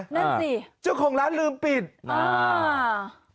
นั่นสิเจ้าของร้านลืมปิดอ่า